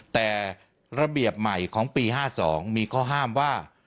แต่ระเบียบใหม่ของปี๕๒มีข้อห้ามว่า